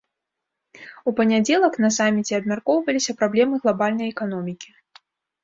У панядзелак на саміце абмяркоўваліся праблемы глабальнай эканомікі.